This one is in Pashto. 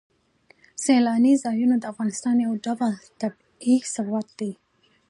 سیلاني ځایونه د افغانستان یو ډول طبعي ثروت دی.